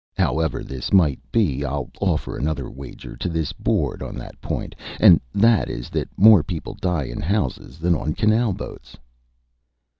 However this might be, I'll offer another wager to this board on that point, and that is that more people die in houses than on canal boats."